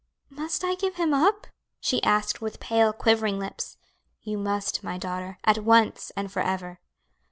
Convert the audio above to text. "Must I give him up?" she asked with pale, quivering lips. "You must, my daughter; at once and for ever."